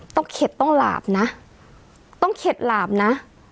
เข็ดต้องหลาบนะต้องเข็ดหลาบนะ